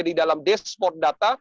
di dalam dashboard data